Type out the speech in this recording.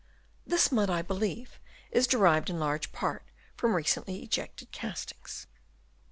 This mud I believe is derived in large part from recently ejected castings.